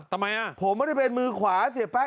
ทำไมอ่ะผมไม่ได้เป็นมือขวาเสียแป๊